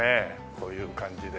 こういう感じで。